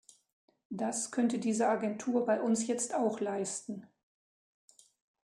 Das könnte diese Agentur bei uns jetzt auch leisten.